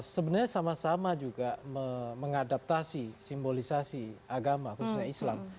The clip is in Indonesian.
sebenarnya sama sama juga mengadaptasi simbolisasi agama khususnya islam